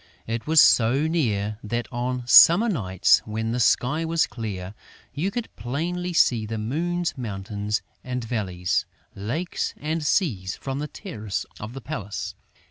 It was so near that, on summer nights, when the sky was clear, you could plainly see the moon's mountains and valleys, lakes and seas from the terrace of the palace.